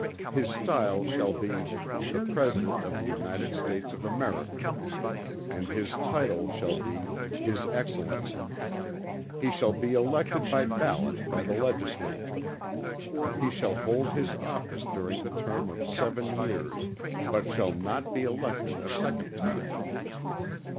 His stile shall be, "The President of the United States of America;" and his title shall be, "His Excellency". He shall be elected by ballot by the Legislature. He shall hold his office during the term of seven years; but shall not be elected a second time.